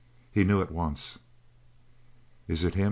He knew at once. "Is it him?"